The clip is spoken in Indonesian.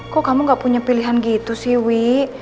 kok kamu gak punya pilihan gitu sih wi